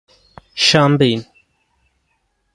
champagne